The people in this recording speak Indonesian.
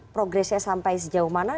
progresnya sampai sejauh mana